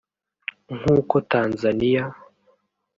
nk’uko Tanzania